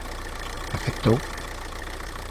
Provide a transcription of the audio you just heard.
Aceptou...